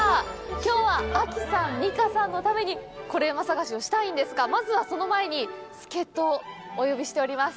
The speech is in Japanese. きょうは亜紀さん、美佳さんのために「コレうま」探しをしたいんですがまずは、その前に助っ人をお呼びしております。